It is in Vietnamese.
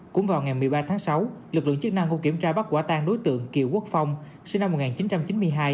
cũng vào ngày một mươi ba tháng sáu lực lượng chức năng cũng kiểm tra bắt quả tang đối tượng kiều quốc phong sinh năm một nghìn chín trăm chín mươi hai